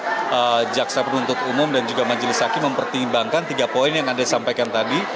maksudnya kita jaksa penuntut umum dan juga majelis saki mempertimbangkan tiga poin yang ada disampaikan tadi